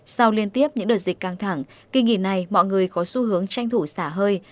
sau liên tiếp những đợt dịch căng thẳng kỳ nghỉ này mọi người có xu hướng tranh thủ xả hơi